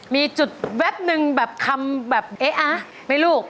มีจุดแวบหนึ่งแบบคำแบบเอ๊ะไม่รู้